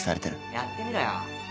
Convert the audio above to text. やってみろよ